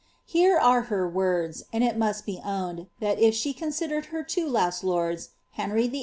Here are her words, and it must be owned, that if she considere<l her two last lords, Henry VHI.